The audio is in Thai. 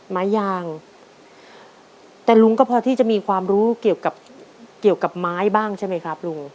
ไม้ยางแต่ลุงก็พอที่จะมีความรู้เกี่ยวกับเกี่ยวกับไม้บ้างใช่ไหมครับลุง